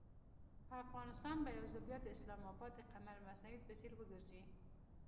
افغانستان به یو ځل بیا د اسلام اباد د قمر مصنوعي په څېر وګرځي.